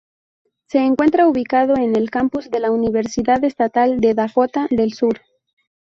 Se encuentra ubicado en el campus de la Universidad Estatal de Dakota del Sur.